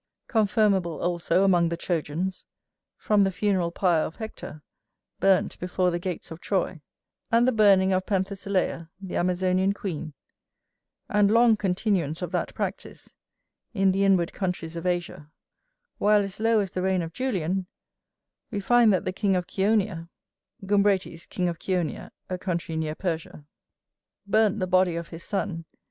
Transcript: Confirmable also among the Trojans, from the funeral pyre of Hector, burnt before the gates of Troy: and the burning of Penthesilea the Amazonian queen: and long continuance of that practice, in the inward countries of Asia; while as low as the reign of Julian, we find that the king of Chionia[AD] burnt the body of his son, and interred the ashes in a silver urn.